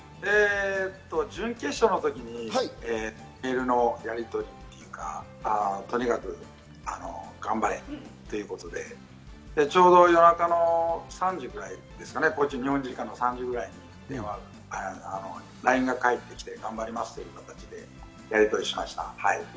準決勝の時にメールのやりとりというか、とにかく頑張れということで、ちょうど夜中の３時ぐらいですかね、ＬＩＮＥが返ってきて、頑張りますという形でやりとりをしました。